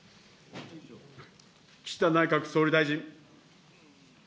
岸田内閣総理大臣。